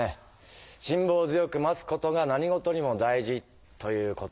しんぼう強く待つことが何事にも大事ということだね。